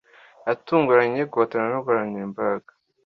atunguranye, guhatana, no guharanira imbaraga.